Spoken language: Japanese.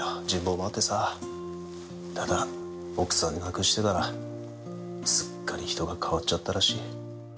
人望もあってさただ奥さん亡くしてからすっかり人が変わっちゃったらしい